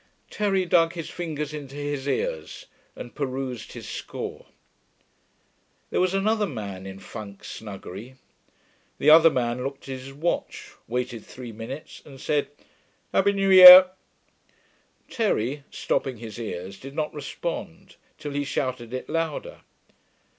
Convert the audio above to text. Terry dug his fingers into his ears, and perused his score. There was another man in Funk Snuggery. The other man looked at his watch, waited three minutes, and said 'Happy new year.' Terry, stopping his ears, did not respond, till he shouted it louder.